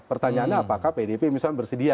pertanyaannya apakah pdip misalnya bersedia